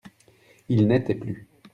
Il n'était plus.